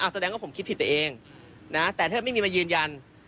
แสดงว่าผมคิดผิดไปเองนะแต่แทบไม่มีมายืนยัน